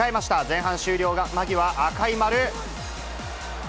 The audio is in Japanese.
前半終了間際、赤い丸。